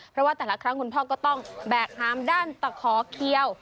เพราะว่าแต่ละครั้งคุณพ่อก็ต้องแบกหามด้านตะขอเคี้ยว